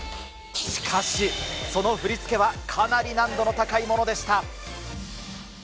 しかし、その振り付けはかなり難度の高いものでした。